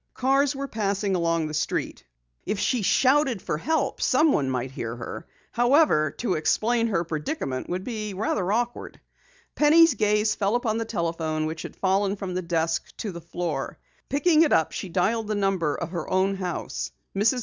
Cars were passing along the street. If she shouted for help someone might hear her. However, to explain her predicament would be rather awkward. Penny's gaze fell upon the telephone which had fallen from the desk to the floor. Picking it up, she dialed the number of her own house. Mrs.